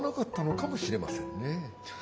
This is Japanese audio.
かもしれません